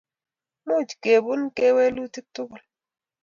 Much kepun kewelutik tugul